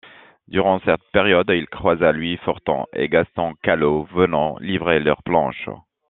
Durant cette période il croisa Louis Forton et Gaston Callaud, venant livrer leurs planches.